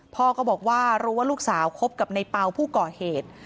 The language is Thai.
พ่อก็บอกว่ารู้ว่าลูกสาวคบกับในเป่าผู้ก่อเหตุ